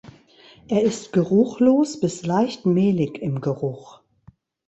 Er ist geruchlos bis leicht mehlig im Geruch.